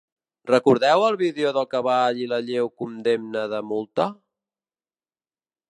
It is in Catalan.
Recordeu el vídeo del cavall i la lleu condemna de multa?